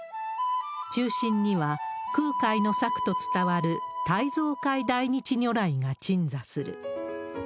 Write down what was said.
中心には空海の作と伝わる胎蔵界大日如来が鎮座する。